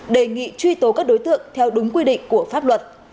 đề nghị truy tố các đối tượng theo đúng quy định của pháp luật